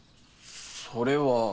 それは。